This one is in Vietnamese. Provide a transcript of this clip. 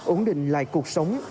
ổn định lại cuộc sống